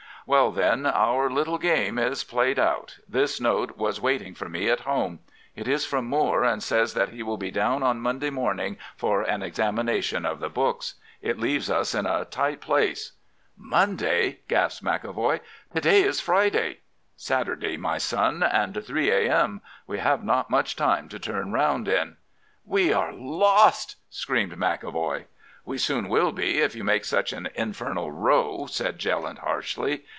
"'Well, then, our little game is played out. This note was waiting for me at home. It is from Moore, and says that he will be down on Monday morning for an examination of the books. It leaves us in a tight place.' "'Monday!' gasped McEvoy; 'to day is Friday.' "'Saturday, my son, and 3 a.m. We have not much time to turn round in.' "'We are lost!' screamed McEvoy. "'We soon will be, if you make such an infernal row,' said Jelland harshly.